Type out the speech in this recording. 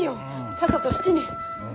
さっさと質に！